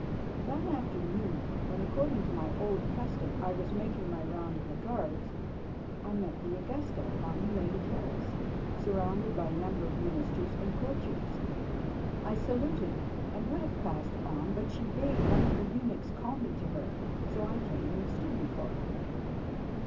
That afternoon, when, according to my old custom, I was making my round of the guards, I met the Augusta upon the main terrace, surrounded by a number of ministers and courtiers. I saluted and would have passed on, but she bade one of her eunuchs call me to her. So I came and stood before her.